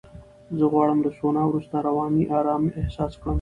زه غواړم له سونا وروسته رواني آرامۍ احساس کړم.